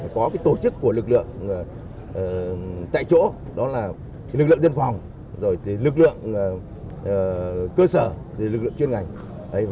có tổ chức của lực lượng tại chỗ đó là lực lượng dân phòng lực lượng cơ sở lực lượng chuyên ngành